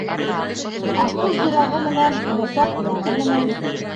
Асҡыс йоҙағы менән, борсаҡ ҡуҙағы менән.